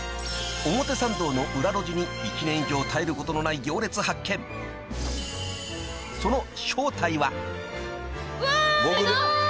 ［表参道の裏路地に１年以上絶えることのない行列発見］うわ！